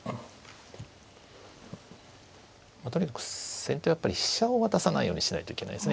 とにかく先手はやっぱり飛車を渡さないようにしないといけないですね。